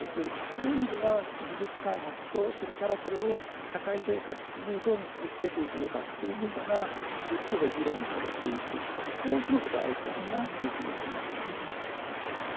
その意味では、技術開発とそれから、それを社会生活にどう結び付けていくのかっていうことがセットで議論されていくってそれが、すごく大事だろうなというふうに思います。